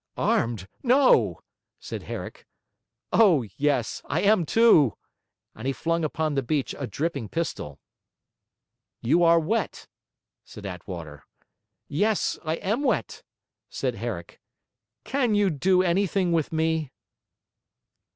'Armed? No!' said Herrick. 'O yes, I am, too!' And he flung upon the beach a dripping pistol. 'You are wet,' said Attwater. 'Yes, I am wet,' said Herrick. 'Can you do anything with me?'